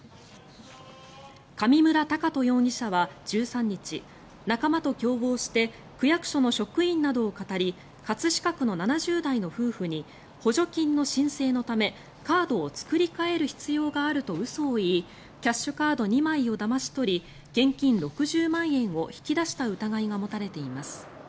上村隆翔容疑者は１３日仲間と共謀して区役所の職員などをかたり葛飾区の７０代の夫婦に補助金の申請のためカードを作り替える必要があると嘘を言いキャッシュカード２枚をだまし取り現金６０万円を引き出した疑いが持たれています。